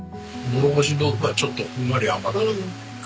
もろこし豆腐はちょっとふんわり甘くて。